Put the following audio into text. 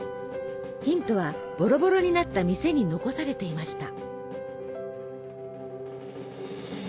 ヒントはボロボロになった店に残されていました。